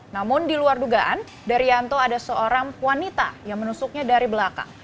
namun di luar dugaan dari yanto ada seorang wanita yang menusuknya dari belakang